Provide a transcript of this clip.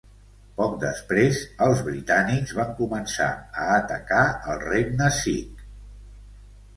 Poc després, els britànics van començar a atacar el Regne sikh.